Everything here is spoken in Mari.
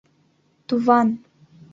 — Туван!